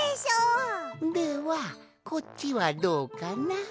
ではこっちはどうかな？